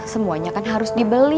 semuanya kan harus dibeli